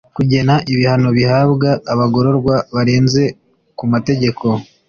kugena ibihano bihabwa abagororwa barenze ku mategeko